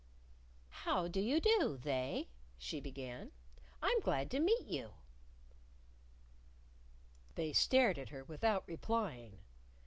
"How do you do, They," she began. "I'm glad to meet you." They stared at her without replying.